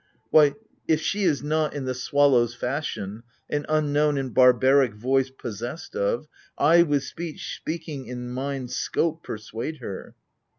Why, if she is not, in the swallow's fashion. An unknown and barbaric voice possessed of, I, with speech — speaking in mind's scope — persuade her.